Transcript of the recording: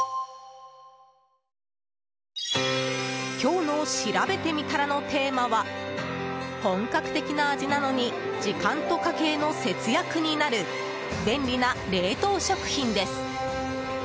今日のしらべてみたらのテーマは本格的な味なのに時間と家計の節約になる便利な冷凍食品です。